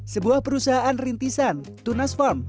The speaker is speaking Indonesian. sebuah perusahaan rintisan tunas farm